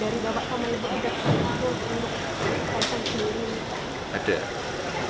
dari bapak sama ibu ada apa apa untuk bapak sendiri